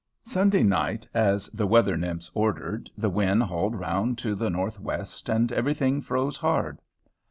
Sunday night as the weather nymphs ordered, the wind hauled round to the northwest and everything froze hard.